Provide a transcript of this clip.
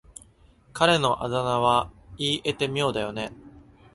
彼のあだ名は言い得て妙だよね。